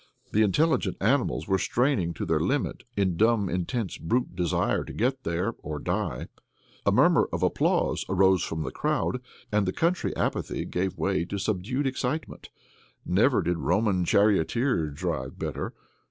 The intelligent animals were straining to their limit in dumb, intense brute desire to get there, or die. A murmur of applause arose from the crowd, and the country apathy gave way to subdued excitement. Never did Roman charioteer drive better!